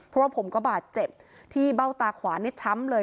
เพราะว่าผมก็บาดเจ็บที่เบ้าตาขวานี่ช้ำเลย